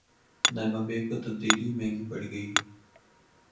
ئمہ بیگ کو تبدیلی مہنگی پڑ گئی